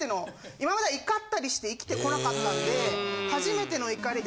今までは怒ったりして生きてこなかったんで初めての怒りで。